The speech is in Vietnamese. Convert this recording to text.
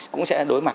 cũng sẽ đối mặt